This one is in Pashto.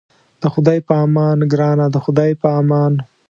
د خدای په امان ګرانه د خدای په امان.